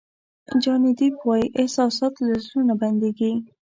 جاني دیپ وایي احساسات له زړه نه بندېږي.